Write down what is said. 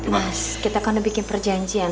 mas kita kan udah bikin perjanjian